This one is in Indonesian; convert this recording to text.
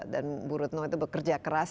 dan bu retno itu bekerja keras